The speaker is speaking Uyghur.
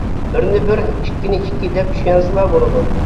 بىرنى بىر، ئىككىنى ئىككى دەپ چۈشەنسىلا بولىدۇ.